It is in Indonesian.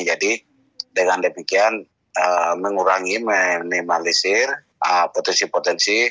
jadi dengan demikian mengurangi menimalisir potensi potensi